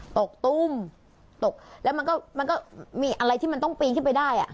ตุ้มตกแล้วมันก็มีอะไรที่มันต้องปีนขึ้นไปได้อ่ะ